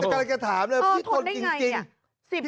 ก็กำลังจะถามเลยพี่ทนได้ยังไง